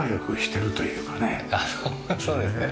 そうですね。